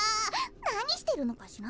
なにしてるのかしら？